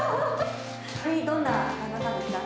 どんな旦那さんですか。